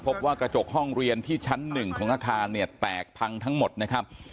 พบว่ากระจกห้องเรียนที่ชั้น๑ของอาคารเนี่ยแตกพังทั้งหมดนะครับ